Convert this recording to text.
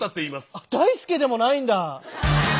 あっだいすけでもないんだ。